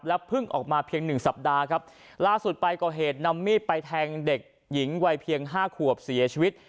เพิ่งออกมาเพียงหนึ่งสัปดาห์ครับล่าสุดไปก่อเหตุนำมีดไปแทงเด็กหญิงวัยเพียงห้าขวบเสียชีวิต